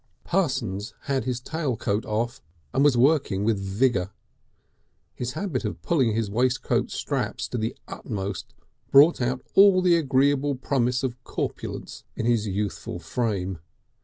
Parsons had his tail coat off and was working with vigour; his habit of pulling his waistcoat straps to the utmost brought out all the agreeable promise of corpulence in his youthful frame.